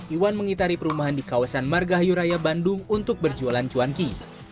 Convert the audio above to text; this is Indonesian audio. iwan mengitari perumahan di kawasan margahayu raya bandung untuk berjualan cuanki